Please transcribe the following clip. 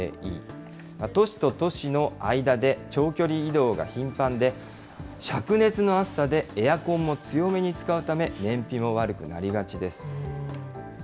都市と都市の間で、長距離移動が頻繁で、しゃく熱の暑さでエアコンも強めに使うため、燃費も悪くなりがちです。